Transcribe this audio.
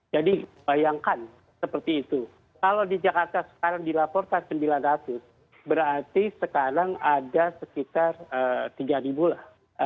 jadi bayangkan seperti itu kalau di jakarta sekarang dilaporkan sembilan ratus berarti sekarang ada sekitar tiga lah